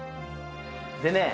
でね